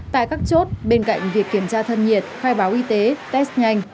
tại các chốt bên cạnh việc kiểm tra thân nhiệt khai báo y tế test nhanh